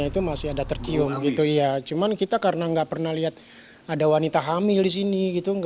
tapi kita tidak pernah melihat wanita hamil di sini